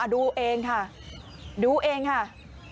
ดูเองค่ะดูเองค่ะ